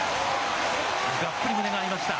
がっぷり胸が合いました。